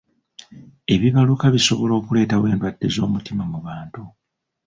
Ebibaluka bisobola okuleetawo endwadde z'omutima mu bantu.